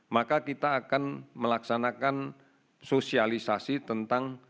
maka kita akan melaksanakan sosialisasi tentang